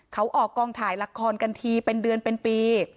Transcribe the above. เขาออกกองถ่ายละครกันทีเป็นเดือนเป็นปี